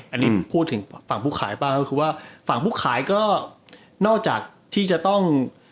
อันนี้พูดถึงฝั่งผู้ขายบ้างก็คือว่าฝั่งผู้ขายก็นอกจากที่จะต้อง